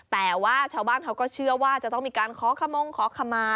แต่ว่าชาวบ้านเขาก็เชื่อว่าจะต้องมีการขอขมงขอขมา